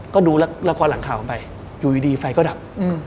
ก็ดูละครหลังข่าวไปอยู่ดีไฟก็ดับ